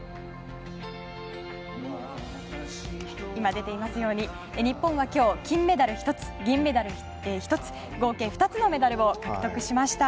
今出ていますように日本は今日金メダル１つ銀メダル１つ合計２つのメダルを獲得しました。